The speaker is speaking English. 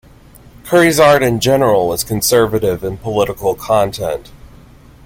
Curry's art in general was conservative in political content.